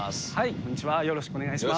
こんにちは、よろしくお願いします。